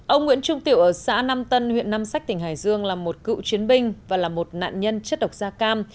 ông nguyễn trung tiểu ở xã nam tân huyện nam sách tỉnh hải dương là một cựu chiến binh và là một nạn nhân chất độc da cam